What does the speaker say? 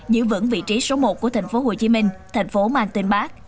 giữ vững vị trí số một của tp hcm tp mtb